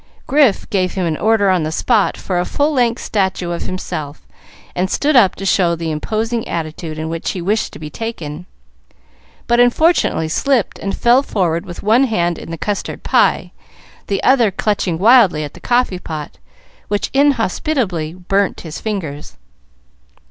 Grif gave him an order on the spot for a full length statue of himself, and stood up to show the imposing attitude in which he wished to be taken, but unfortunately slipped and fell forward with one hand in the custard pie, the other clutching wildly at the coffee pot, which inhospitably burnt his fingers.